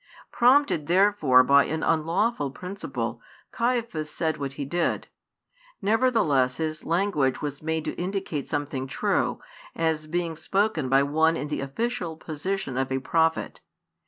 Prompted therefore by an unlawful principle, Caiaphas said what he did; nevertheless his language was made to indicate something true, as being spoken by one in the official position of a prophet.